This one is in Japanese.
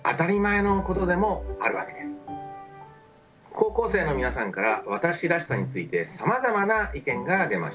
高校生の皆さんから私らしさについてさまざまな意見が出ましたね。